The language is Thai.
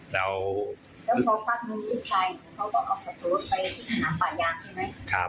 ทะเลาะกันอยู่ที่บ้านนะครับผม